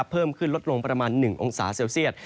เพิ่มขึ้นลดลงประมาณ๑องศาเซลเซียต